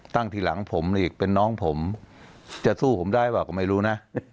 ทีหลังผมอีกเป็นน้องผมจะสู้ผมได้เปล่าก็ไม่รู้นะ